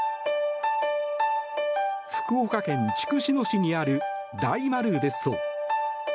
福岡県筑紫野市にある大丸別荘。